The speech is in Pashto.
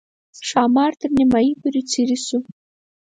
ښامار تر نیمایي پورې څېرې شو.